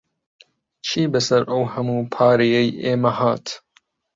چی بەسەر ئەو هەموو پارەیەی ئێمە هات؟